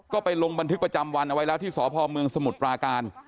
ก็ไปลงบันทึกประจำวันเอาไว้แล้วที่สพเมืองสมุทรปราการ